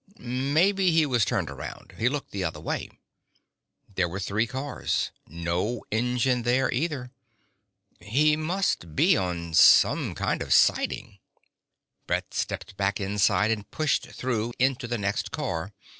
Maybe he was turned around. He looked the other way. There were three cars. No engine there either. He must be on some kind of siding ... Brett stepped back inside, and pushed through into the next car.